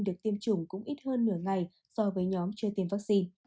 được tiêm chủng cũng ít hơn nửa ngày so với nhóm chưa tiêm vaccine